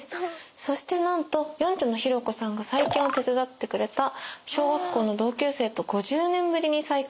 そしてなんと四女のひろ子さんが再建を手伝ってくれた小学校の同級生と５０年ぶりに再会。